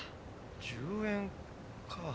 １０円か。